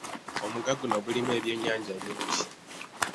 Omugga guno gulimu ebyennyanja bingi.